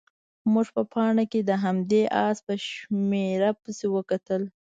موږ په پاڼه کې د همدې اس په شمېره پسې وکتل.